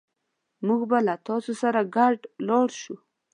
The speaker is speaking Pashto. موږ به له تاسو سره ګډ لاړ شو